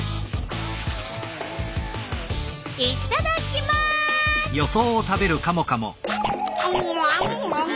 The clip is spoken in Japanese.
いっただきます！